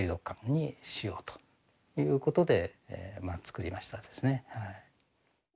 にしようということで造りましたですね。